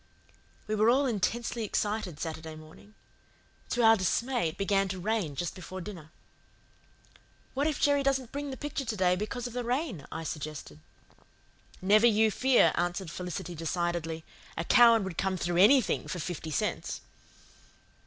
We were all intensely excited Saturday morning. To our dismay, it began to rain just before dinner. "What if Jerry doesn't bring the picture to day because of the rain?" I suggested. "Never you fear," answered Felicity decidedly. "A Cowan would come through ANYTHING for fifty cents."